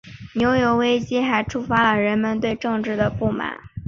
牛油危机还触发人们对政治的不满。